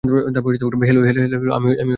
Hello, আমি Linden.